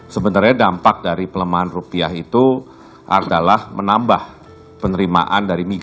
sebenarnya dampak dari pelemahan rupiah itu adalah menambah penerimaan dari migas